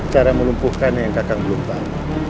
cara melumpuhkan yang kakang belum tahu